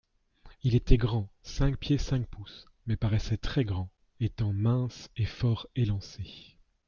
Il était grand (cinq pieds cinq pouces) mais paraissait très-grand, étant mince et fort élancé.